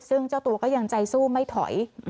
ซึ่งเจ้าตัวก็ยังใจสู้ไม่ถอย